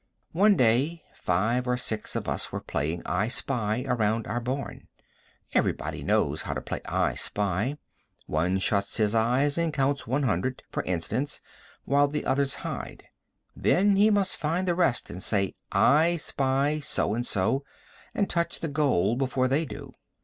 One day five or six of us were playing "I spy" around our barn. Every body knows how to play "I spy." One shuts his eyes and counts 100, for instance, while the others hide. Then he must find the rest and say "I spy" so and so and touch the "goal" before they do.